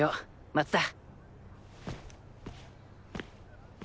松田！